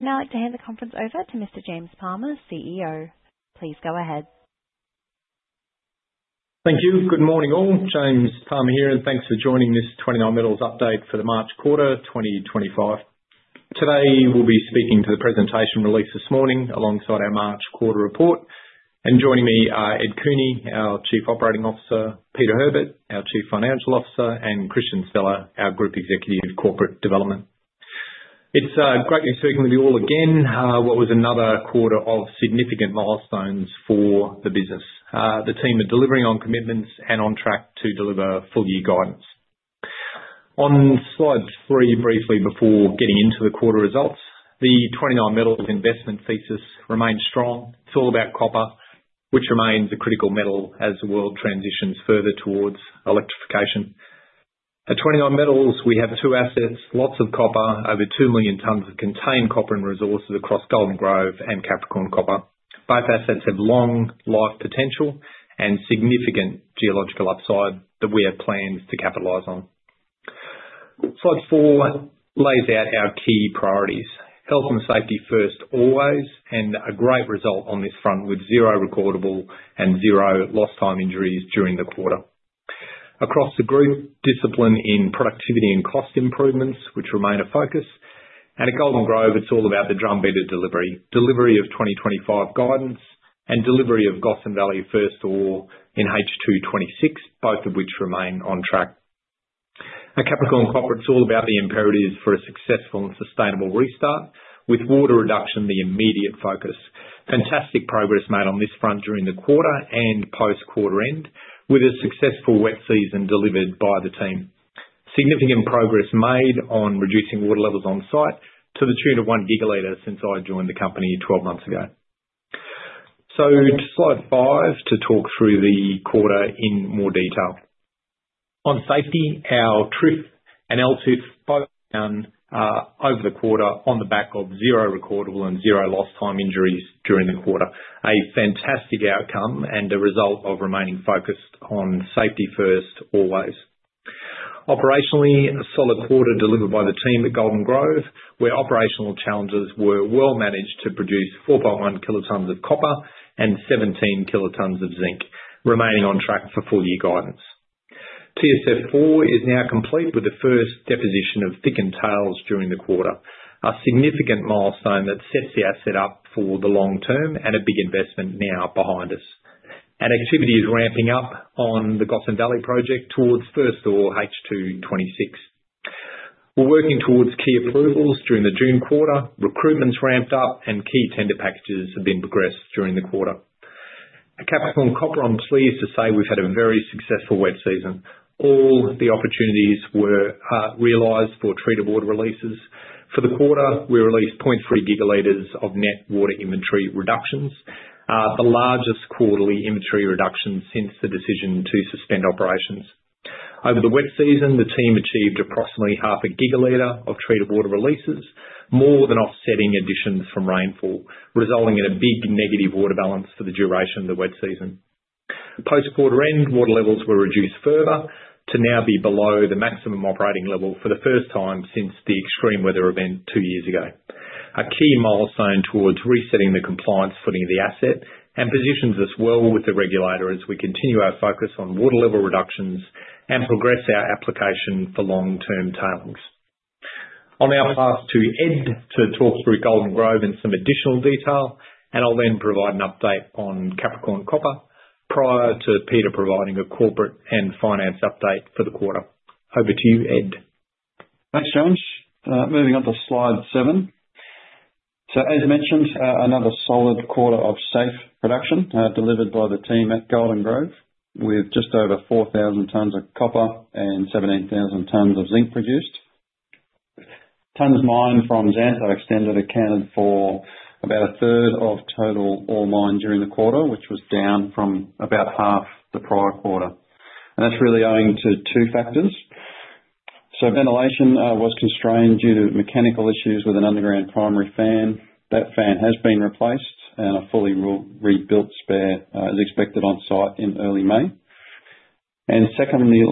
Now I'd like to hand the conference over to Mr. James Palmer, CEO. Please go ahead. Thank you. Good morning, all. James Palmer here, and thanks for joining this 29Metals update for the March quarter 2025. Today we'll be speaking to the presentation released this morning alongside our March quarter report. Joining me are Ed Cooney, our Chief Operating Officer; Peter Herbert, our Chief Financial Officer; and Kristian Stella, our Group Executive Corporate Development. It's great speaking with you all again. What was another quarter of significant milestones for the business? The team are delivering on commitments and on track to deliver full-year guidance. On slide three briefly before getting into the quarter results, the 29Metals investment thesis remains strong. It's all about copper, which remains a critical metal as the world transitions further towards electrification. At 29Metals, we have two assets: lots of copper, over 2 million tons of contained copper and resources across Golden Grove and Capricorn Copper. Both assets have long-life potential and significant geological upside that we have plans to capitalize on. Slide four lays out our key priorities: health and safety first always, and a great result on this front with zero recordable and zero lost-time injuries during the quarter. Across the group, discipline in productivity and cost improvements, which remain a focus. At Golden Grove, it is all about the drumbeat delivery: delivery of 2025 guidance and delivery of Gossan Valley first ore in H2-2026, both of which remain on track. At Capricorn Copper, it is all about the imperatives for a successful and sustainable restart, with water reduction the immediate focus. Fantastic progress made on this front during the quarter and post-quarter end, with a successful wet season delivered by the team. Significant progress made on reducing water levels on-site to the tune of 1 GL since I joined the company 12 months ago. Turning to slide five to talk through the quarter in more detail. On safety, our TRIF and LTIF both were down over the quarter on the back of zero recordable and zero lost-time injuries during the quarter. A fantastic outcome and a result of remaining focused on safety first always. Operationally, a solid quarter delivered by the team at Golden Grove, where operational challenges were well managed to produce 4.1 kt of copper and 17 kt of zinc, remaining on track for full-year guidance. TSF4 is now complete with the first deposition of thickened tails during the quarter, a significant milestone that sets the asset up for the long term and a big investment now behind us. Activity is ramping up on the Gossan Valley project towards first ore H2-2026. We're working towards key approvals during the June quarter, recruitments ramped up, and key tender packages have been progressed during the quarter. At Capricorn Copper, I'm pleased to say we've had a very successful wet season. All the opportunities were realised for treated water releases. For the quarter, we released 0.3 GL of net water inventory reductions, the largest quarterly inventory reduction since the decision to suspend operations. Over the wet season, the team achieved approximately 0.5 GL of treated water releases, more than offsetting additions from rainfall, resulting in a big negative water balance for the duration of the wet season. Post-quarter end, water levels were reduced further to now be below the maximum operating level for the first time since the extreme weather event two years ago. A key milestone towards resetting the compliance footing of the asset and positions us well with the regulator as we continue our focus on water level reductions and progress our application for long-term tailings. I'll now pass to Ed to talk through Golden Grove in some additional detail, and I'll then provide an update on Capricorn Copper prior to Peter providing a corporate and finance update for the quarter. Over to you, Ed. Thanks, James. Moving on to slide seven. As mentioned, another solid quarter of safe production delivered by the team at Golden Grove with just over 4,000 tons of copper and 17,000 tons of zinc produced. Tons mined from Xantho Extended accounted for about a third of total ore mined during the quarter, which was down from about half the prior quarter. That is really owing to two factors. Ventilation was constrained due to mechanical issues with an underground primary fan. That fan has been replaced, and a fully rebuilt spare is expected on-site in early May. Secondly,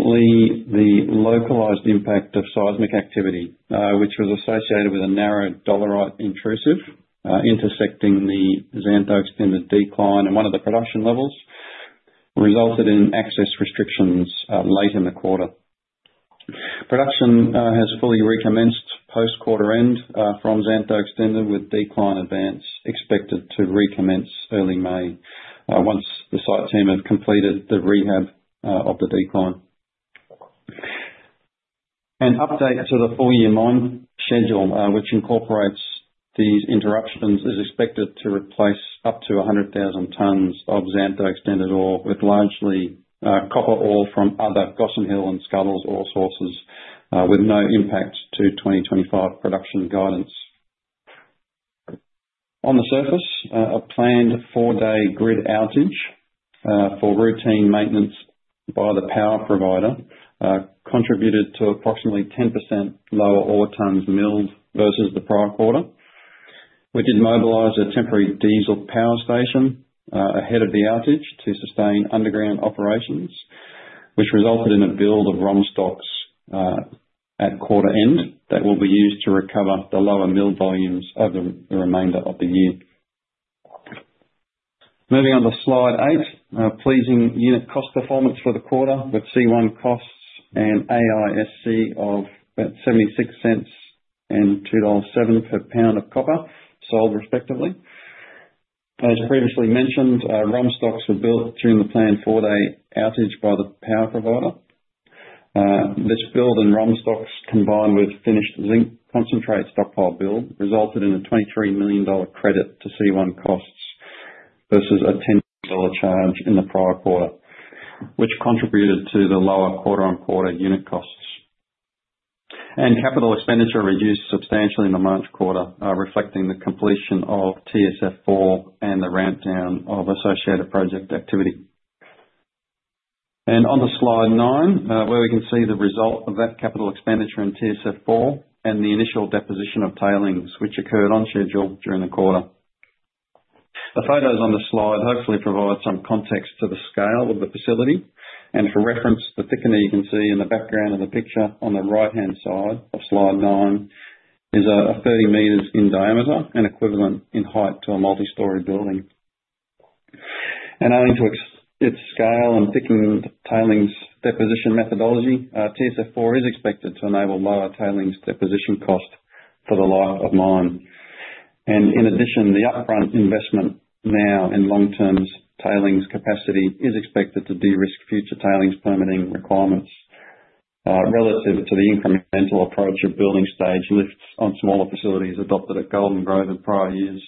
the localized impact of seismic activity, which was associated with a narrow dolerite intrusive intersecting the Xantho Extended decline and one of the production levels, resulted in access restrictions late in the quarter. Production has fully recommenced post-quarter end from Xantho Extended with decline advance expected to recommence early May once the site team have completed the rehab of the decline. An update to the full-year mine schedule, which incorporates these interruptions, is expected to replace up to 100,000 tons of Xantho Extended ore with largely copper ore from other Gossan Hill and Scuddles ore sources, with no impact to 2025 production guidance. On the surface, a planned four-day grid outage for routine maintenance by the power provider contributed to approximately 10% lower ore tons milled versus the prior quarter. We did mobilize a temporary diesel power station ahead of the outage to sustain underground operations, which resulted in a build of ROM stocks at quarter end that will be used to recover the lower milled volumes for the remainder of the year. Moving on to slide eight, pleasing unit cost performance for the quarter with C1 costs and AISC of about 0.76 and 2.07 dollars per pound of copper sold respectively. As previously mentioned, ROM stocks were built during the planned four-day outage by the power provider. This build in ROM stocks combined with finished zinc concentrate stockpile build resulted in an 23 million dollar credit to C1 costs versus a 10 million dollar charge in the prior quarter, which contributed to the lower quarter-on-quarter unit costs. Capital expenditure reduced substantially in the March quarter, reflecting the completion of TSF4 and the ramp-down of associated project activity. On to slide nine, where we can see the result of that capital expenditure in TSF4 and the initial deposition of tailings, which occurred on schedule during the quarter. The photos on the slide hopefully provide some context to the scale of the facility. For reference, the thickener you can see in the background of the picture on the right-hand side of slide nine is 30 m in diameter and equivalent in height to a multi-story building. Owing to its scale and thickened tailings deposition methodology, TSF4 is expected to enable lower tailings deposition cost for the life of mine. In addition, the upfront investment now in long-term tailings capacity is expected to de-risk future tailings permitting requirements relative to the incremental approach of building stage lifts on smaller facilities adopted at Golden Grove in prior years.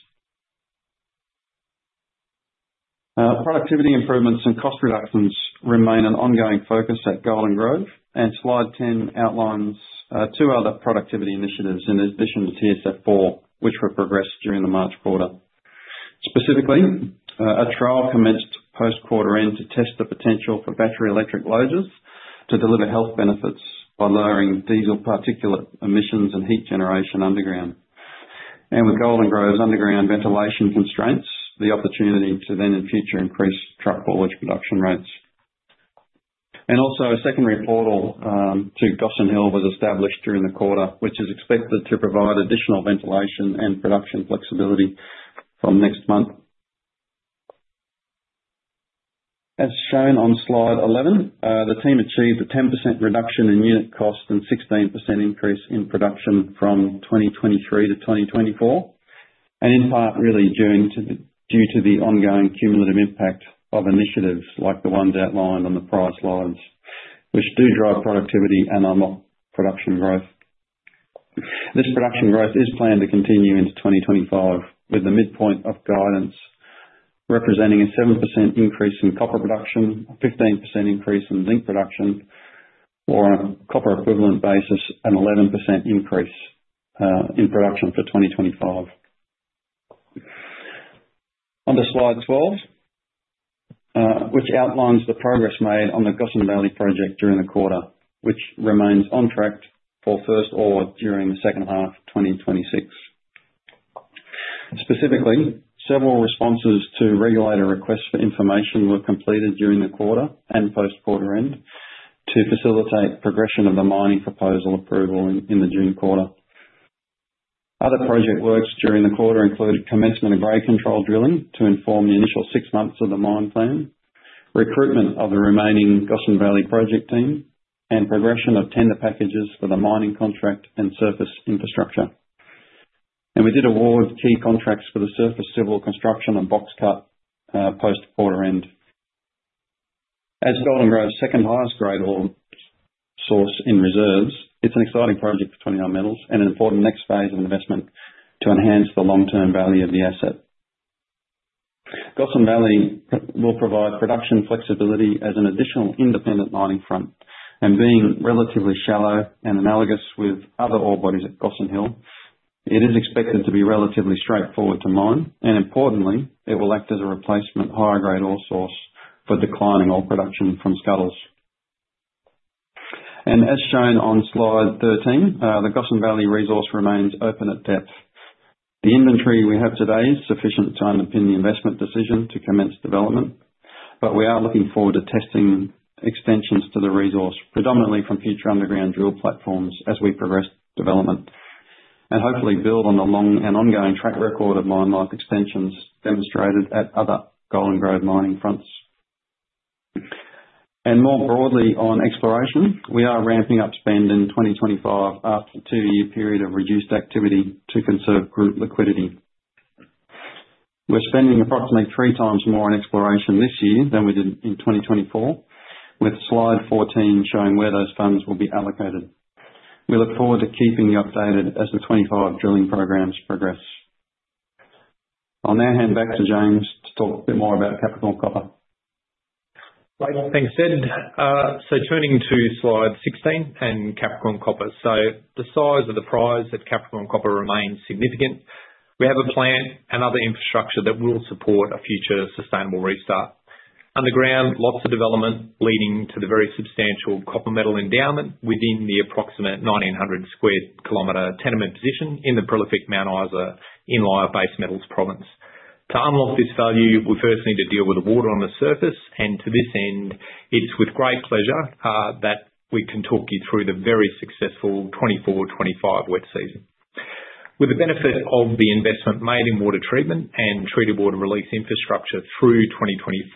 Productivity improvements and cost reductions remain an ongoing focus at Golden Grove. Slide ten outlines two other productivity initiatives in addition to TSF4, which were progressed during the March quarter. Specifically, a trial commenced post-quarter end to test the potential for battery electric loaders to deliver health benefits by lowering diesel particulate emissions and heat generation underground. With Golden Grove's underground ventilation constraints, the opportunity to then in future increase truck forward production rates. Also, a secondary portal to Gossan Hill was established during the quarter, which is expected to provide additional ventilation and production flexibility from next month. As shown on slide 11, the team achieved a 10% reduction in unit cost and a 16% increase in production from 2023 to 2024. In part, this is really due to the ongoing cumulative impact of initiatives like the ones outlined on the prior slides, which do drive productivity and unlock production growth. This production growth is planned to continue into 2025, with the midpoint of guidance representing a 7% increase in copper production, a 15% increase in zinc production on a copper equivalent basis, and an 11% increase in production for 2025. On to slide 12, which outlines the progress made on the Gossan Valley project during the quarter, which remains on track for first ore during the second half of 2026. Specifically, several responses to regulator requests for information were completed during the quarter and post-quarter end to facilitate progression of the mining proposal approval in the June quarter. Other project works during the quarter included commencement of grade control drilling to inform the initial six months of the mine plan, recruitment of the remaining Gossan Valley project team, and progression of tender packages for the mining contract and surface infrastructure. We did award key contracts for the surface civil construction and box cut post-quarter end. As Golden Grove's second highest grade ore source in reserves, it's an exciting project for 29Metals and an important next phase of investment to enhance the long-term value of the asset. Gossan Valley will provide production flexibility as an additional independent mining front. Being relatively shallow and analogous with other ore bodies at Gossan Hill, it is expected to be relatively straightforward to mine. Importantly, it will act as a replacement higher grade ore source for declining ore production from Scuddles. As shown on slide 13, the Gossan Valley resource remains open at depth. The inventory we have today is sufficient to underpin the investment decision to commence development, but we are looking forward to testing extensions to the resource, predominantly from future underground drill platforms as we progress development. Hopefully, we will build on the long and ongoing track record of mine-life extensions demonstrated at other Golden Grove mining fronts. More broadly on exploration, we are ramping up spend in 2025 after a two-year period of reduced activity to conserve group liquidity. We are spending approximately 3x more on exploration this year than we did in 2024, with slide 14 showing where those funds will be allocated. We look forward to keeping you updated as the 2025 drilling programs progress. I'll now hand back to James to talk a bit more about Capricorn Copper. Great. Thanks, Ed. Turning to slide 16 and Capricorn Copper. The size of the prize at Capricorn Copper remains significant. We have a plant and other infrastructure that will support a future sustainable restart. Underground, lots of development leading to the very substantial copper metal endowment within the approximate 1,900 sq km tenement position in the prolific Mount Isa Inlier Base Metals Province. To unlock this value, we first need to deal with the water on the surface. To this end, it's with great pleasure that we can talk you through the very successful 2024-2025 wet season. With the benefit of the investment made in water treatment and treated water release infrastructure through 2024,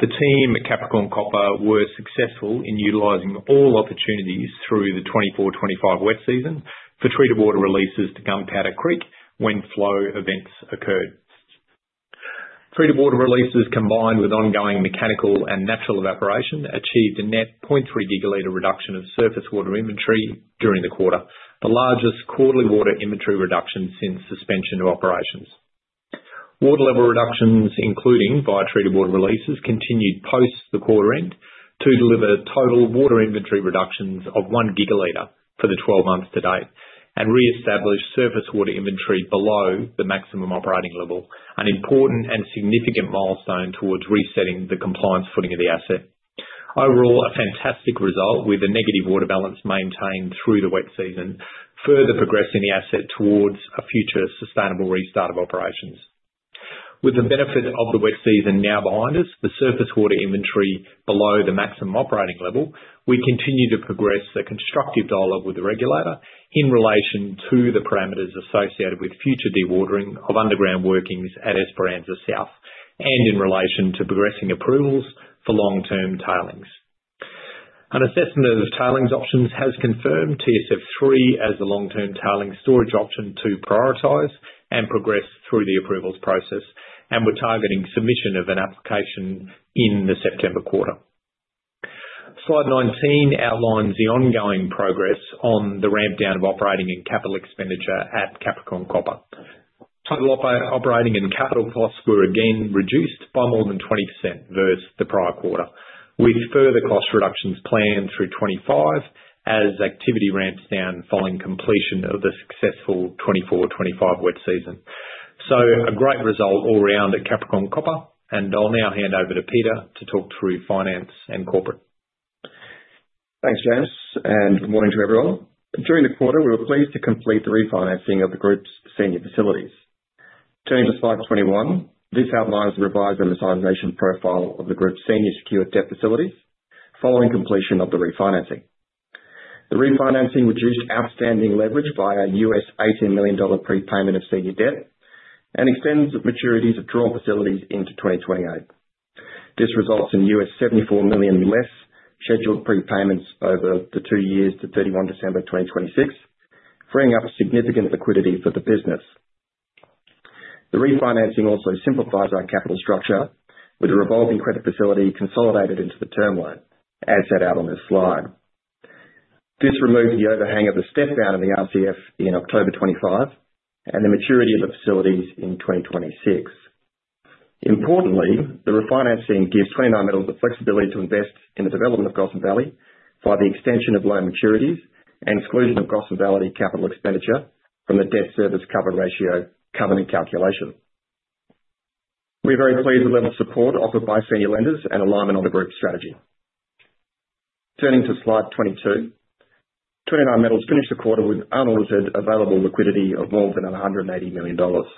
the team at Capricorn Copper were successful in utilizing all opportunities through the 2024-2025 wet season for treated water releases to Gunpowder Creek when flow events occurred. Treated water releases combined with ongoing mechanical and natural evaporation achieved a net 0.3 GL reduction of surface water inventory during the quarter, the largest quarterly water inventory reduction since suspension of operations. Water level reductions, including via treated water releases, continued post the quarter end to deliver total water inventory reductions of 1 GL for the 12 months to date and re-establish surface water inventory below the maximum operating level, an important and significant milestone towards resetting the compliance footing of the asset. Overall, a fantastic result with a negative water balance maintained through the wet season, further progressing the asset towards a future sustainable restart of operations. With the benefit of the wet season now behind us, the surface water inventory below the maximum operating level, we continue to progress the constructive dialogue with the regulator in relation to the parameters associated with future dewatering of underground workings at Esperanza South and in relation to progressing approvals for long-term tailings. An assessment of tailings options has confirmed TSF3 as the long-term tailings storage option to prioritize and progress through the approvals process, and we're targeting submission of an application in the September quarter. Slide 19 outlines the ongoing progress on the ramp-down of operating and capital expenditure at Capricorn Copper. Total operating and capital costs were again reduced by more than 20% versus the prior quarter, with further cost reductions planned through 2025 as activity ramps down following completion of the successful 2024-2025 wet season. A great result all around at Capricorn Copper. I'll now hand over to Peter to talk through finance and corporate. Thanks, James. Good morning to everyone. During the quarter, we were pleased to complete the refinancing of the group's senior facilities. Turning to slide 21, this outlines the revised amortization profile of the group's senior secured debt facilities following completion of the refinancing. The refinancing reduced outstanding leverage via $18 million prepayment of senior debt and extends maturities of drawn facilities into 2028. This results in $74 million less scheduled prepayments over the two years to 31 December 2026, freeing up significant liquidity for the business. The refinancing also simplifies our capital structure with a revolving credit facility consolidated into the term loan, as set out on this slide. This removes the overhang of the step-down in the RCF in October 2025 and the maturity of the facilities in 2026. Importantly, the refinancing gives 29Metals the flexibility to invest in the development of Gossan Valley by the extension of loan maturities and exclusion of Gossan Valley capital expenditure from the debt service cover ratio covenant calculation. We're very pleased with the level of support offered by senior lenders and alignment on the group strategy. Turning to slide 22, 29Metals finished the quarter with unaudited available liquidity of more than 180 million dollars.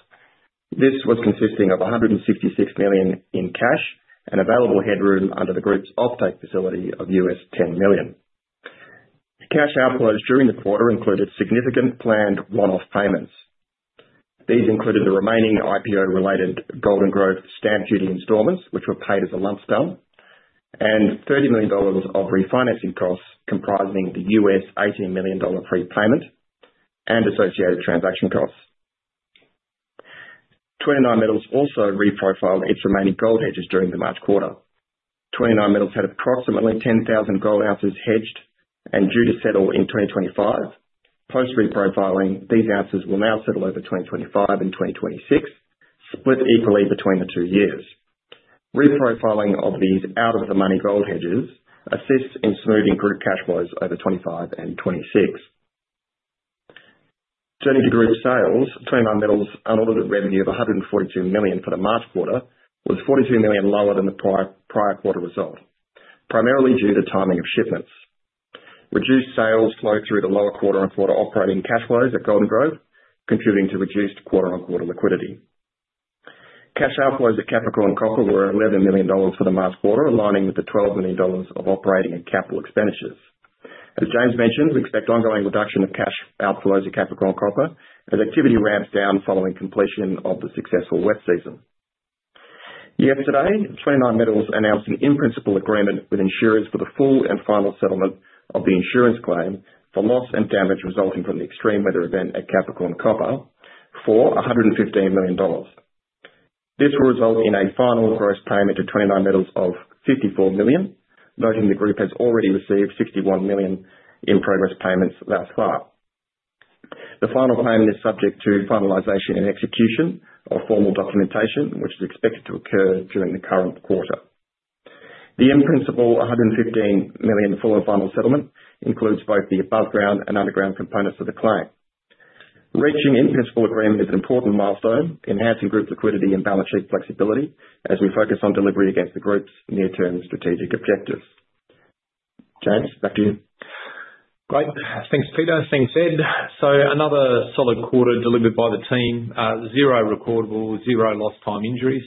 This was consisting of 166 million in cash and available headroom under the group's offtake facility of $10 million. Cash outflows during the quarter included significant planned one-off payments. These included the remaining IPO-related Golden Grove stamp duty installments, which were paid as a lump sum, and 30 million dollars of refinancing costs comprising the $18 million prepayment and associated transaction costs. 29Metals also reprofiled its remaining gold hedges during the March quarter. 29Metals had approximately 10,000 gold ounces hedged and due to settle in 2025. Post-reprofiling, these ounces will now settle over 2025 and 2026, split equally between the two years. Reprofiling of these out-of-the-money gold hedges assists in smoothing group cash flows over 2025 and 2026. Turning to group sales, 29Metals' unaudited revenue of 142 million for the March quarter was 42 million lower than the prior quarter result, primarily due to timing of shipments. Reduced sales flowed through the lower quarter-on-quarter operating cash flows at Golden Grove, contributing to reduced quarter-on-quarter liquidity. Cash outflows at Capricorn Copper were AUD 11 million for the March quarter, aligning with the AUD 12 million of operating and capital expenditures. As James mentioned, we expect ongoing reduction of cash outflows at Capricorn Copper as activity ramps down following completion of the successful wet season. Yesterday, 29Metals announced an in-principle agreement with insurers for the full and final settlement of the insurance claim for loss and damage resulting from the extreme weather event at Capricorn Copper for 115 million dollars. This will result in a final gross payment to 29Metals of 54 million, noting the group has already received 61 million in progress payments thus far. The final payment is subject to finalisation and execution of formal documentation, which is expected to occur during the current quarter. The in-principle 115 million full and final settlement includes both the above-ground and underground components of the claim. Reaching in-principle agreement is an important milestone, enhancing group liquidity and balance sheet flexibility as we focus on delivery against the group's near-term strategic objectives. James, back to you. Great. Thanks, Peter. Thanks, Ed. Another solid quarter delivered by the team. Zero recordable, zero lost-time injuries.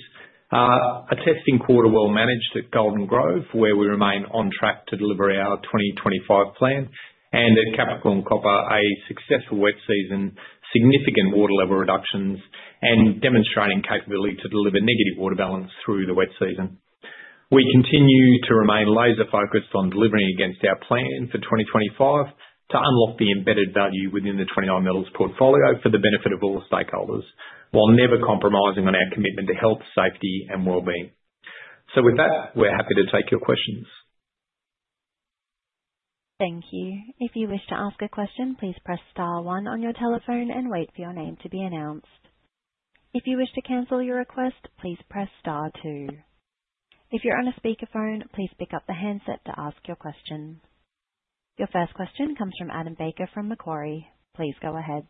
A testing quarter well managed at Golden Grove, where we remain on track to deliver our 2025 plan. At Capricorn Copper, a successful wet season, significant water level reductions, and demonstrating capability to deliver negative water balance through the wet season. We continue to remain laser-focused on delivering against our plan for 2025 to unlock the embedded value within the 29Metals portfolio for the benefit of all stakeholders, while never compromising on our commitment to health, safety, and well-being. With that, we're happy to take your questions. Thank you. If you wish to ask a question, please press star one on your telephone and wait for your name to be announced. If you wish to cancel your request, please press star two. If you're on a speakerphone, please pick up the handset to ask your question. Your first question comes from Adam Baker from Macquarie. Please go ahead.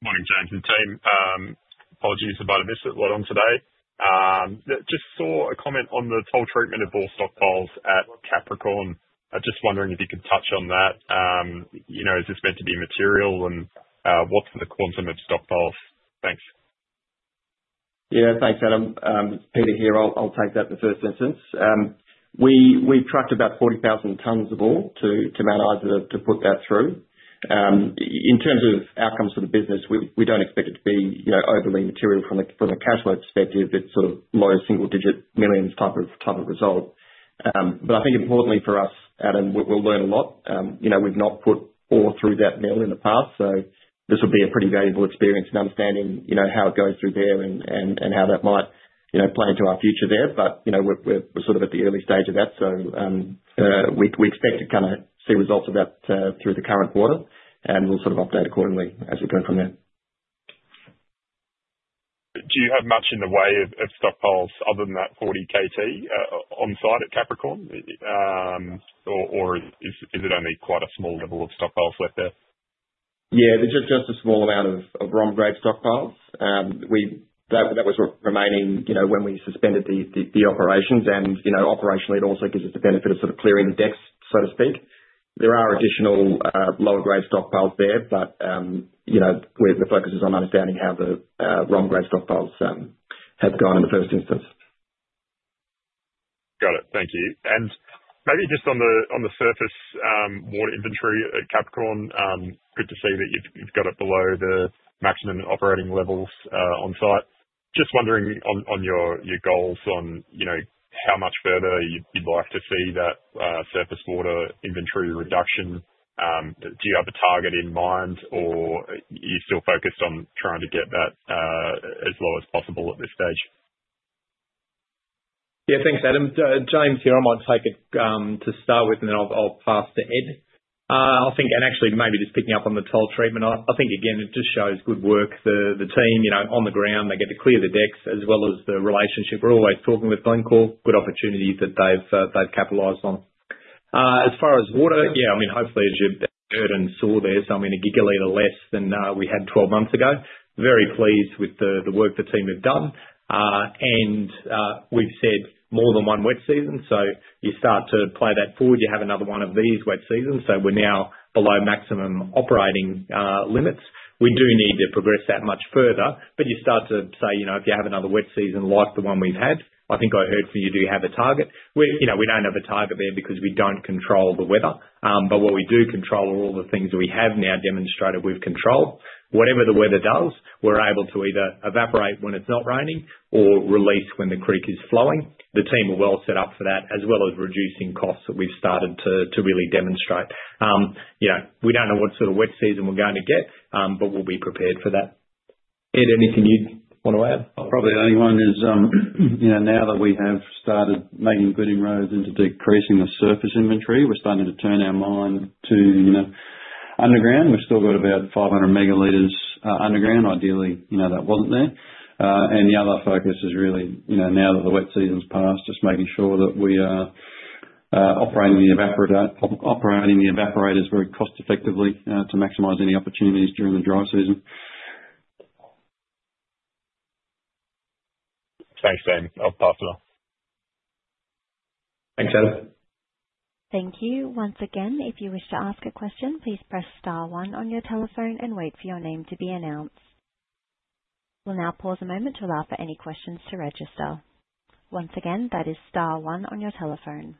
Good morning, James and team. Apologies about a miss at 1:00 P.M. on today. Just saw a comment on the toll treatment of ore stockpiles at Capricorn. Just wondering if you could touch on that. Is this meant to be material? What's the quantum of stockpiles? Thanks. Yeah, thanks, Adam. Peter here. I'll take that in the first instance. We've trucked about 40,000 tons of ore to Mount Isa to put that through. In terms of outcomes for the business, we don't expect it to be overly material from a cash flow perspective. It's sort of low single-digit millions type of result. I think importantly for us, Adam, we'll learn a lot. We've not put ore through that mill in the past, so this will be a pretty valuable experience in understanding how it goes through there and how that might play into our future there. We're sort of at the early stage of that, so we expect to kind of see results of that through the current quarter, and we'll sort of update accordingly as we go from there. Do you have much in the way of stockpiles other than that 40 kt on site at Capricorn? Or is it only quite a small level of stockpiles left there? Yeah, just a small amount of ROM grade stockpiles. That was remaining when we suspended the operations. Operationally, it also gives us the benefit of sort of clearing the decks, so to speak. There are additional lower-grade stockpiles there, but the focus is on understanding how the ROM grade stockpiles have gone in the first instance. Got it. Thank you. Maybe just on the surface water inventory at Capricorn, good to see that you've got it below the maximum operating levels on site. Just wondering on your goals on how much further you'd like to see that surface water inventory reduction. Do you have a target in mind, or are you still focused on trying to get that as low as possible at this stage? Yeah, thanks, Adam. James here. I might take it to start with, and then I'll pass to Ed. I think, and actually maybe just picking up on the toll treatment, I think, again, it just shows good work. The team on the ground, they get to clear the decks as well as the relationship. We're always talking with Glencore. Good opportunity that they've capitalized on. As far as water, yeah, I mean, hopefully as you heard and saw there, I mean, a gigalitre less than we had 12 months ago. Very pleased with the work the team have done. We've said more than one wet season, so you start to play that forward. You have another one of these wet seasons, so we're now below maximum operating limits. We do need to progress that much further, but you start to say, if you have another wet season like the one we've had, I think I heard from you, do you have a target? We don't have a target there because we don't control the weather. What we do control are all the things that we have now demonstrated we've controlled. Whatever the weather does, we're able to either evaporate when it's not raining or release when the creek is flowing. The team are well set up for that, as well as reducing costs that we've started to really demonstrate. We don't know what sort of wet season we're going to get, but we'll be prepared for that. Ed, anything you'd want to add? Probably the only one is now that we have started making good inroads into decreasing the surface inventory, we're starting to turn our mind to underground. We've still got about 500 ML underground. Ideally, that wasn't there. The other focus is really, now that the wet season's passed, just making sure that we are operating the evaporators very cost-effectively to maximise any opportunities during the dry season. Thanks, James. I'll pass it off. Thanks, Adam. Thank you. Once again, if you wish to ask a question, please press star one on your telephone and wait for your name to be announced. We'll now pause a moment to allow for any questions to register. Once again, that is star one on your telephone.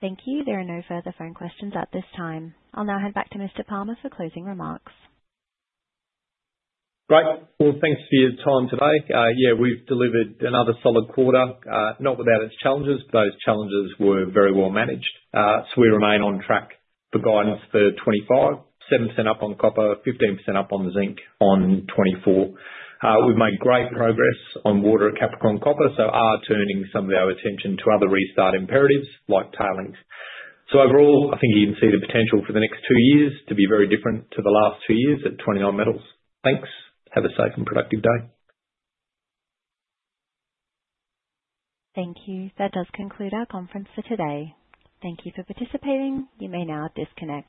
Thank you. There are no further phone questions at this time. I'll now hand back to Mr. Palmer for closing remarks. Great. Thanks for your time today. Yeah, we've delivered another solid quarter, not without its challenges, but those challenges were very well managed. We remain on track for guidance for 2025, 7% up on copper, 15% up on zinc on 2024. We've made great progress on water at Capricorn Copper, turning some of our attention to other restart imperatives like tailings. Overall, I think you can see the potential for the next two years to be very different to the last two years at 29Metals. Thanks. Have a safe and productive day. Thank you. That does conclude our conference for today. Thank you for participating. You may now disconnect.